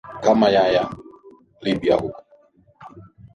kama ya ya ya libya huko